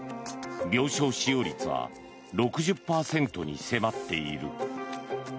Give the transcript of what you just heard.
病床使用率は６０％に迫っている。